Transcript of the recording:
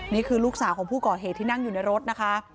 นี่คือลูกสาวของผู้ก่อเหตุที่นั่งอยู่ในรถนะคะ